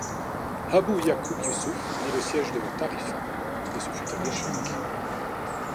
Abû Ya`qûb Yûsuf mit le siège devant Tarifa mais ce fut un échec.